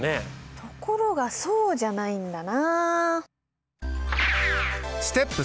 ところがそうじゃないんだな。